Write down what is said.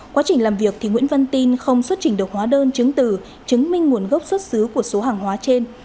quá trình làm việc nguyễn văn tin không xuất trình được hóa đơn chứng từ chứng minh nguồn gốc xuất xứ của số hàng hóa trên